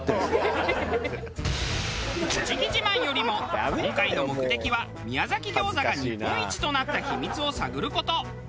自慢よりも今回の目的は宮崎餃子が日本一となった秘密を探る事。